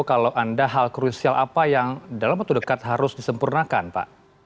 kalau anda hal krusial apa yang dalam waktu dekat harus disempurnakan pak